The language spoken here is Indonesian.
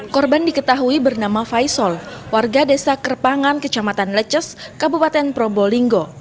korban diketahui bernama faisal warga desa kerpangan kecamatan leces kabupaten probolinggo